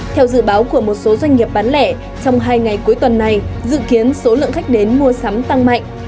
theo dự báo của một số doanh nghiệp bán lẻ trong hai ngày cuối tuần này dự kiến số lượng khách đến mua sắm tăng mạnh